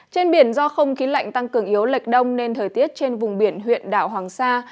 trên biển do không khí lạnh tăng cường yếu lệch đông nên thời tiết trên vùng biển huyện đảo hoàng sa